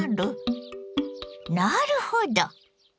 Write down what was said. なるほど！